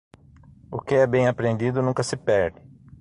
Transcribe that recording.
O que é bem aprendido nunca se perde.